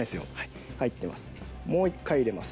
もう一回入れます。